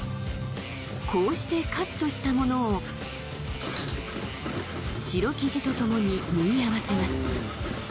こうしてカットしたものを白生地と共に縫い合わせます